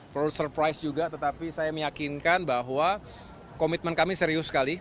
pro surprise juga tetapi saya meyakinkan bahwa komitmen kami serius sekali